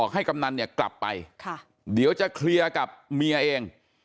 กำนันเนี่ยกลับไปเดี๋ยวจะเคลียร์กับเมียเอง